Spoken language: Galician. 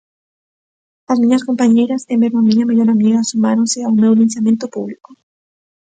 As miñas compañeiras, e mesmo a miña mellor amiga, sumáronse ao meu linchamento público.